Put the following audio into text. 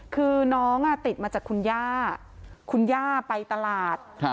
คือน้องติดมาจากคุณย่าคุณย่าไปตลาด